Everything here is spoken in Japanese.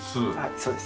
そうです。